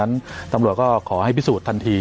ตำรวจก็ขอให้พิสูจน์ทันที